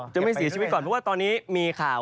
ไม่เสียชีวิตก่อนเพราะว่าตอนนี้มีข่าว